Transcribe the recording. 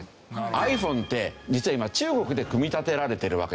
ｉＰｈｏｎｅって実は今中国で組み立てられてるわけです。